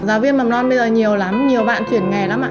giáo viên mầm non bây giờ nhiều lắm nhiều bạn chuyển nghề lắm ạ